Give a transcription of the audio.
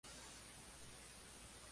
Es usada en la industria de aves de corral.